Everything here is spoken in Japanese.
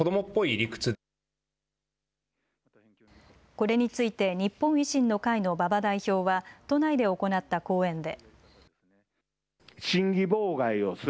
これについて日本維新の会の馬場代表は都内で行った講演で。